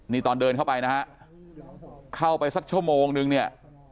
นี่ตอนเดินเข้าไปนะฮะเข้าไปสักชั่วโมงนึงเนี่ย